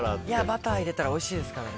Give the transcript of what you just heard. バター入れたらおいしいですからね。